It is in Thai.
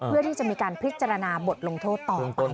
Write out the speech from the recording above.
เพื่อที่จะมีการพิจารณาบทลงโทษต่อไป